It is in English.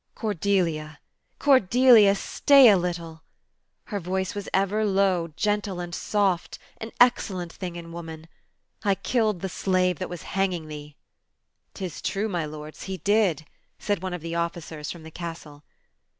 Cordelia, Cordelia, stay a little. Her t^O THE CHILDREN'S SHAKESPEARE. voice was ever low, gentle, and soft — an excellent thing in woman. I killed the slave that was hanging thee/' " Tis true, my lords, he did," said one of the officers from the castle.